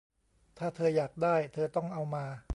ถ้าเธออยากได้ เธอต้องเอามา